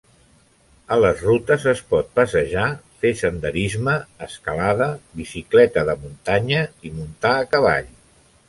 A les rutes es pot passejar, fer senderisme, escalada, bicicleta de muntanya i muntar a cavall.